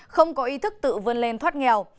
không có ý thức tự vươn lên thoát nghèo